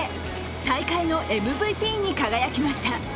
大会のＭＶＰに輝きました。